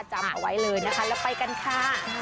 จำเอาไว้เลยนะคะแล้วไปกันค่ะ